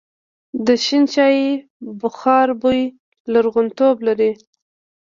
د شین چای بخار بوی لرغونتوب لري.